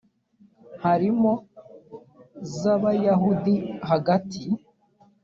harimo z abayahudi hagati